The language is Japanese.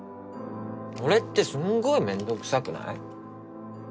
それってすんごいめんどくさくない？